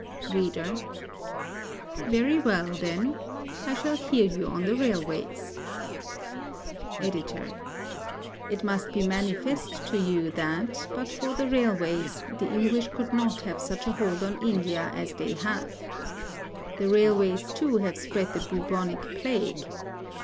READER: Very well, then, I shall hear you on the railways. EDITOR: It must be manifest to you that, but for the railways, the English could not have such a hold on India as they have. The railways, too, have spread the bubonic plague.